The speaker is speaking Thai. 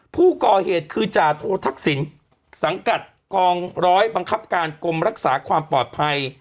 ผู้ก่อเหตุคือจาโททักษิณสังกัดกองร้อยบังคับการกรมรักษาความปลอดภัย